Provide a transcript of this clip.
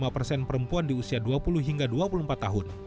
lima persen perempuan di usia dua puluh hingga dua puluh empat tahun